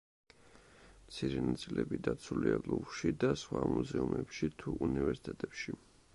მცირე ნაწილები დაცულია ლუვრში და სხვა მუზეუმებში თუ უნივერსიტეტებში.